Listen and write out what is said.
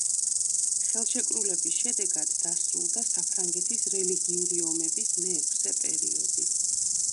ხელშეკრულების შედეგად დასრულდა საფრანგეთის რელიგიური ომების მეექვსე პერიოდი.